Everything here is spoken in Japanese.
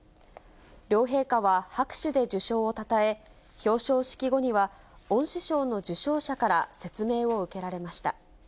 両陛下は、拍手で受賞をたたえ、表彰式後には、恩賜賞の受賞者から説明を受けられました。